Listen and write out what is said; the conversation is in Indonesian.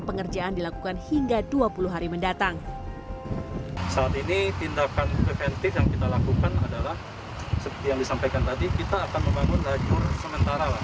seperti yang disampaikan tadi kita akan membangun lajur sementara lah